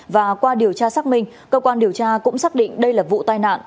và qua điều tra xác minh cơ quan điều tra cũng xác định đây là vụ tai nạn